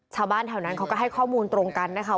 ชาวบ้านแถวนั้นเขาก็ให้ข้อมูลตรงกันนะคะ